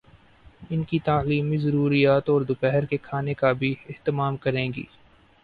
ان کی تعلیمی ضروریات اور دوپہر کے کھانے کا بھی اہتمام کریں گی۔